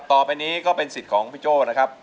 ต่อไปนี้ก็เป็นสิทธิ์ของพี่โจ้นะครับ